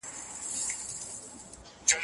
کوم تصميمونه مو بايد نه وای عملي کړي!